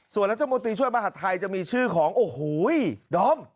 ส่วนรัฐมนตรีช่วยมหาดไทยจะมีชื่อของโอ้โหดอม